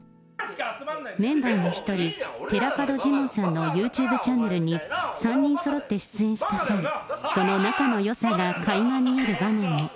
メンバーの一人、寺門ジモンさんのユーチューブチャンネルに３人そろって出演した際、その仲のよさがかいま見える場面も。